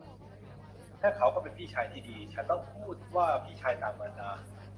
และเขาก็เป็นพี่ชายที่ดี - ฉันต้องพูดว่าพี่ชายต่างมารดา